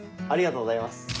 ありがとうございます。